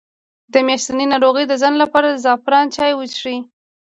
د میاشتنۍ ناروغۍ د ځنډ لپاره د زعفران چای وڅښئ